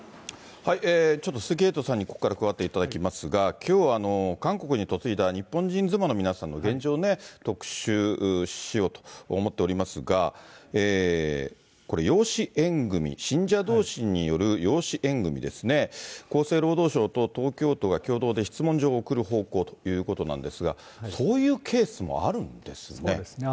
ちょっと鈴木エイトさんにここから加わっていただきますが、きょうは韓国に嫁いだ日本人妻の皆さんの現状ね、特集しようと思っておりますが、これ、養子縁組み、信者どうしによる養子縁組ですね、厚生労働省と東京都が共同で質問状を送る方向ということなんですが、そういうケースもあるんですね。